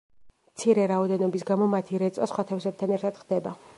მცირე რაოდენობის გამო მათი რეწვა სხვა თევზებთან ერთად ხდება.